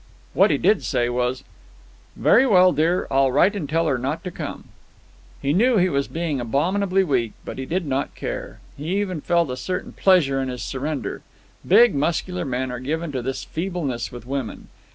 What he did say was: "Very well, dear. I'll write and tell her not to come." He knew he was being abominably weak, but he did not care. He even felt a certain pleasure in his surrender. Big, muscular men are given to this feebleness with women.